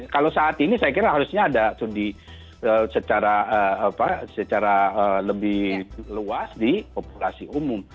kalau saat ini saya kira harusnya ada studi secara lebih luas di populasi umum